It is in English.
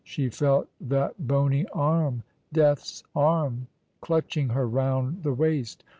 She felt that bony arm — Death's arm — clutching her round the waist.